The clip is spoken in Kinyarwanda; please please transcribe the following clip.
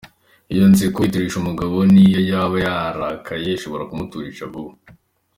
Iyo nseko iturisha umugabo n’iyo yaba yarakaye ishobora kumuturisha vuba.